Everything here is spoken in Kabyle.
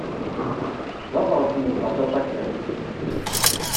D aḍref n lbaṭaṭa kan.